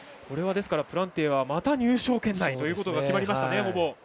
これは、プランテイはまた入賞圏内ということが決まりましたね、ほぼ。